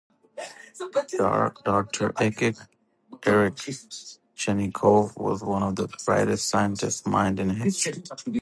Doctor Eric Chanikov was one of the brightest scientific minds in history.